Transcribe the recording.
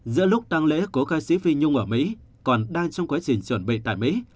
giữa lúc tăng lễ cố ca sĩ phi nhung ở mỹ còn đang trong quá trình chuẩn bị tại mỹ